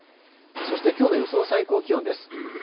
そしてきょうの予想最高気温です。